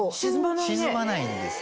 沈まないんです。